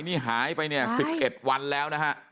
นี่หายไปเนี่ย๑๑วันแล้วนะฮะ